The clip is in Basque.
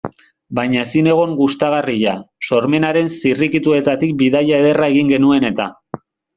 Baina ezinegon gustagarria, sormenaren zirrikituetatik bidaia ederra egin genuen eta.